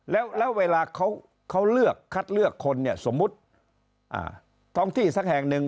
แล้วเวลาเขาเลือกคัดเลือกคนเนี่ยสมมุติท้องที่สักแห่งหนึ่ง